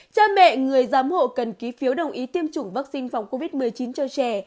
cha mẹ người giám hộ cần ký phiếu đồng ý tiêm chủng vaccine phòng covid một mươi chín cho trẻ